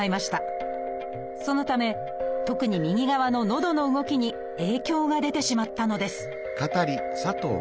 そのため特に右側ののどの動きに影響が出てしまったのです